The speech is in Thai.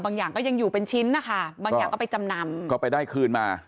อย่างก็ยังอยู่เป็นชิ้นนะคะบางอย่างก็ไปจำนำก็ไปได้คืนมา